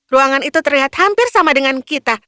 ruangan itu terlihat hampir sama dengan kita